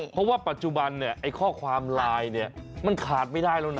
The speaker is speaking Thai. เพราะว่าปัจจุบันเนี่ยไอ้ข้อความไลน์เนี่ยมันขาดไม่ได้แล้วนะ